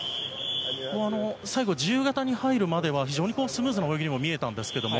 最後、自由形に入るまでは非常にスムーズな泳ぎにも見えたんですけれども。